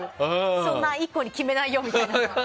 そんな１個に決めないよみたいな。